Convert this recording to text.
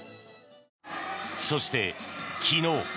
そして、昨日。